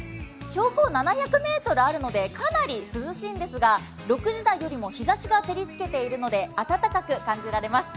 標高７００ｍあるのでかなり涼しいんですが、６時台よりも日ざしが照りつけているので暖かく感じられます。